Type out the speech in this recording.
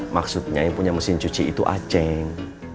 maksudnya yang punya mesin cuci itu aceh